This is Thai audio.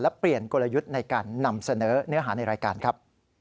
และเปลี่ยนกลยุทธ์ในการนำเสนอเนื้อหาในรายการครับ